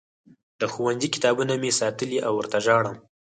د ښوونځي کتابونه مې ساتلي او ورته ژاړم